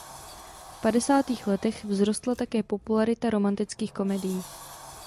V padesátých letech vzrostla také popularita romantických komedií.